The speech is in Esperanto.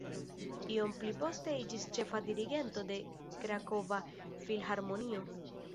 Iom pli poste iĝis ĉefa dirigento de Krakova Filharmonio.